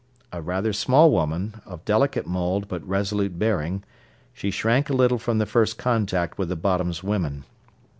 A rather small woman, of delicate mould but resolute bearing, she shrank a little from the first contact with the Bottoms women.